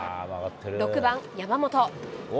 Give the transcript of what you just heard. ６番山本。